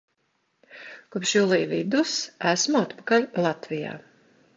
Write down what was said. Kopš jūlija vidus esmu atpakaļ Latvijā.